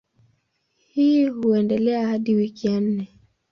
Hii huendelea hadi wiki ya nne.